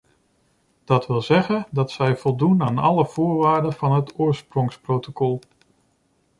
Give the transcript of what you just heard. Dat wil zeggen dat zij voldoen aan alle voorwaarden van het oorsprongsprotocol.